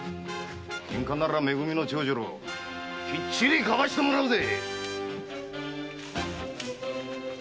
ケンカならめ組の長次郎きっちり買わせてもらうぜ！